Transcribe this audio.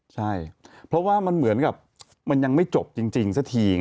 ใช่เพราะว่ามันเหมือนกับมันยังไม่จบจริงสักทีไง